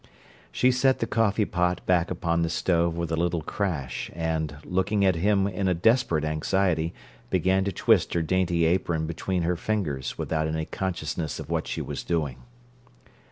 She set the coffee pot back upon the stove with a little crash, and, looking at him in a desperate anxiety, began to twist her dainty apron between her fingers without any consciousness of what she was doing.